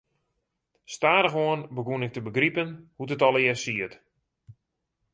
Stadichoan begûn ik te begripen hoe't it allegearre siet.